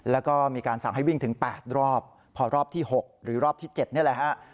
แล้วก็มีการสั่งให้วิ่งถึง๘รอบพอรอบที่๖หรือรอบที่๗นี่แหละฮะ